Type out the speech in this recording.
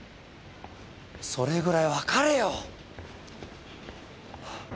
それぐらいわかれよ！